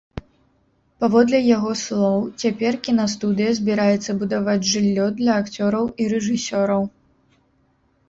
Паводле яго слоў, цяпер кінастудыя збіраецца будаваць жыллё для акцёраў і рэжысёраў.